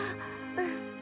うん。